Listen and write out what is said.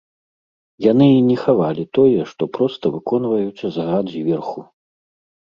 Яны і не хавалі тое, што проста выконваюць загад зверху.